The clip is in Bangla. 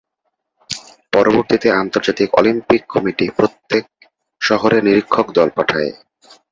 পরবর্তীতে আন্তর্জাতিক অলিম্পিক কমিটি প্রত্যেক শহরে নিরীক্ষক দল পাঠায়।